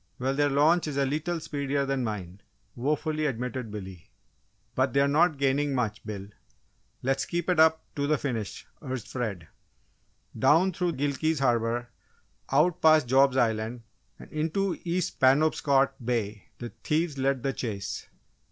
"Well, their launch is a lee tle speedier than mine," wofully admitted Billy. "But they're not gaining much, Bill! Let's keep it up to the finish!" urged Fred. Down through Gilkey's Harbour, out past Job's Island, and into East Penobscot Bay, the thieves led the chase.